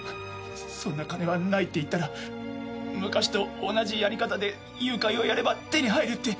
「そんな金はない」って言ったら昔と同じやり方で誘拐をやれば手に入るって。